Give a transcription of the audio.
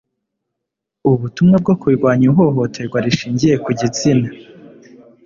ubutumwa bwo kurwanya ihohoterwa rishingiye ku gitsina